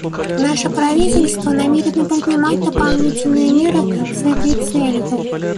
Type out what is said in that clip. Наше правительство намерено принимать дополнительные меры с этой целью.